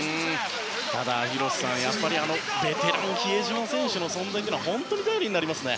ただ広瀬さんベテランの比江島選手の存在というのは本当に頼りになりますね。